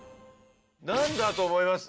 何だと思います？